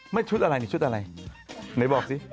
ไม่ชุดอะไรชุดอะไร